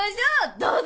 どうぞ！